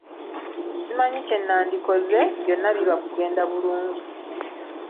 Simanyi kye nnandikoze, byonna biba kugenda bulungi.